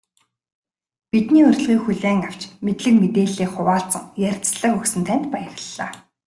Бидний урилгыг хүлээн авч, мэдлэг мэдээллээ хуваалцан ярилцлага өгсөн танд баярлалаа.